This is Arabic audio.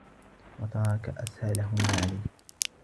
وَتَرَكَ أَسْهَلَهُمَا عَلَيْهِ